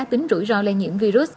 tính rủi ro lây nhiễm virus